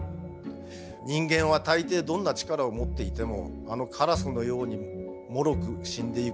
「人間はたいていどんな力をもっていてもあのカラスのようにもろく死んでゆくのだ」。